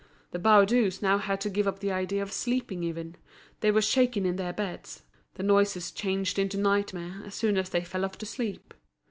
The Baudus now had to give up the idea of sleeping even; they were shaken in their beds; the noises changed into nightmare as soon as they fell off to sleep.